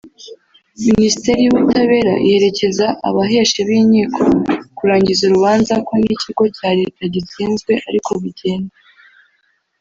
Minisiteri y’Ubutabera iherekeza abahesha b’inkiko kurangiza urubanza ko n’ikigo cya Leta gitsinzwe ariko bigenda